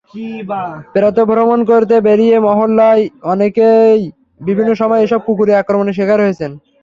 প্রাতর্ভ্রমণ করতে বেরিয়ে মহল্লার অনেকেই বিভিন্ন সময় এসব কুকুরের আক্রমণের শিকার হয়েছেন।